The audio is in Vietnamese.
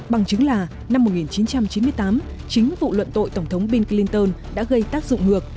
bằng chứng là năm một nghìn chín trăm chín mươi tám chính vụ luận tội tổng thống bill clinton đã gây tác dụng ngược